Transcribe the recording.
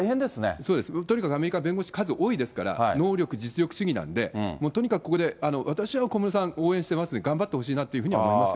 そうです、とにかくアメリカ、弁護士、数多いですから、能力、実力主義なんで、もうとにかくここで私は小室さん応援してます、頑張ってほしいなというふうに思います。